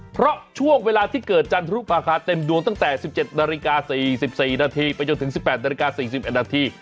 เพราะช่วงเวลาที่เกิดจันทรุปราคาเต็มดวงตั้งแต่๑๗นาฬิกา๔๔นาทีไปจนถึง๑๘นาฬิกา๔๑นาที